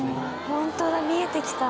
ホントだ見えてきた。